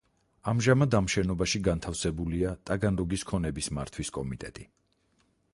ამჟამად ამ შენობაში განთავსებულია ტაგანროგის ქონების მართვის კომიტეტი.